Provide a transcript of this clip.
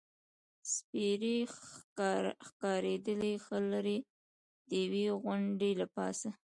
سپېرې ښکارېدلې، ښه لرې، د یوې غونډۍ له پاسه.